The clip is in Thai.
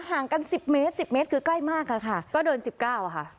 ห่างกันสิบเมตรสิบเมตรคือกล้ายมากค่ะค่ะก็เดินสิบเก้าค่ะ